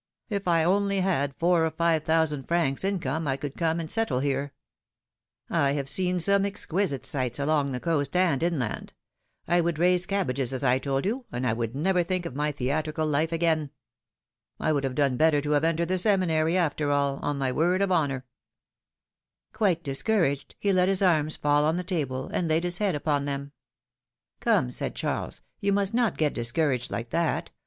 If I only had four or five thousand francs income, I would come and settle here; I have seen some exquisite sites along the coast and inland; I would raise cabbages, as I told you, and I would never think of my theatrical life again. I would have done better to have entered the Seminary, after all, on my word of honor 1 Quite discouraged, he let his arms fall on the table, and laid his head upon them. ^^Come,'^ said Charles; ^^you must not get discouraged like that!